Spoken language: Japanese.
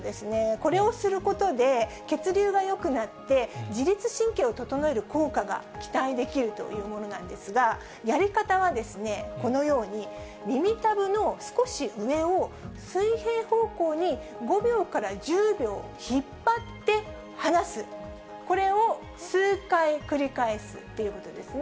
これをすることで、血流がよくなって、自律神経を整える効果が期待できるというものなんですが、やり方はこのように、耳たぶの少し上を水平方向に５秒から１０秒引っ張って放す、これを数回繰り返すっていうことですね。